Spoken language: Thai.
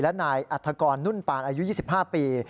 และนายอัฐกรนุ่นปานอายุ๒๕ปี